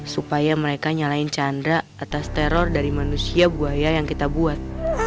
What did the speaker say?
supaya mereka nyalain chandra atas teror dari manusia buaya yang kita buat